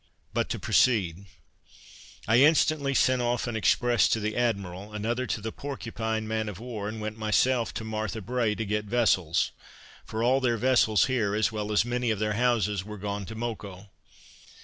But to proceed I instantly sent off an express to the admiral, another to the Porcupine man of war, and went myself to Martha Bray to get vessels; for all their vessels here, as well as many of their houses, were gone to Moco.